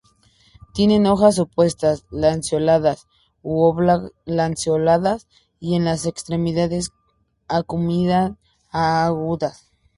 Tiene hojas opuestas, lanceoladas u oblongo-lanceoladas, y en las extremidades acuminadas o agudas.